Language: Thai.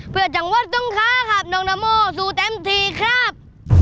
เพื่อจังหวัดสงค้าครับน้องนาโมสู้เต็มทีครับ